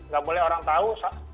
gak boleh orang tahu